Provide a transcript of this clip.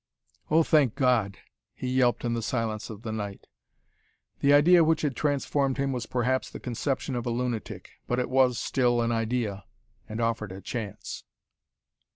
"Oh, thank God!" he yelped in the silence of the night. The idea which had transformed him was perhaps the conception of a lunatic. But it was still an idea, and offered a chance.